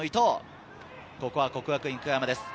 ここは國學院久我山です。